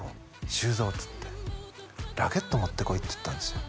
「修造」っつって「ラケット持ってこい」って言ったんですよ